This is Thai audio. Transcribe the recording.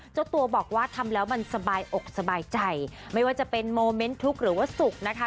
เจ้าตัวบอกว่าทำแล้วมันสบายอกสบายใจไม่ว่าจะเป็นโมเมนต์ทุกข์หรือว่าสุขนะคะ